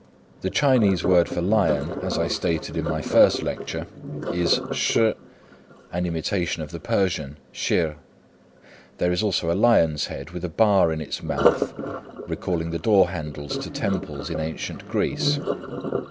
The Chinese word for "lion," as I stated in my first lecture, is shih, an imitation of the Persian shír. There is also a lion's head with a bar in its mouth, recalling the door handles to temples in ancient Greece.